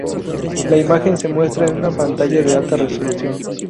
La imagen se muestra en una pantalla de alta resolución.